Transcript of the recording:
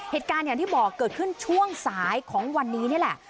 เหตุการณ์อย่างที่บอกเกิดขึ้นช่วงสายของวันนี้นี่แหละ